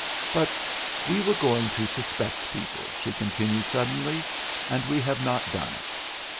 'But we were going to suspect people,' she continued suddenly, 'and we have not done it.